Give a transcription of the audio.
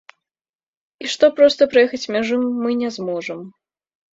І што проста праехаць мяжу мы не зможам.